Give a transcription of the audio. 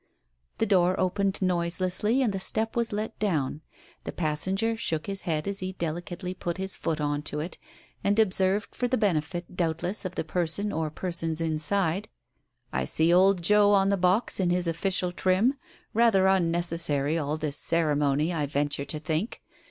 ... The door opened noiselessly, and the step was let down. The passenger shook his head as he delicately put his foot on to it, and observed for the benefit, doubtless, of the person or persons inside — "I see old Joe on the box in his official trim. Rather unnecessary, all this ceremony, I venture to think